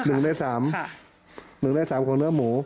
หนึ่งในสามค่ะหนึ่งในสามของเนื้อหมู